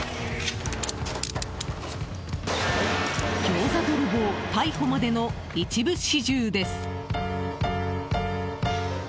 ギョーザ泥棒逮捕までの一部始終です。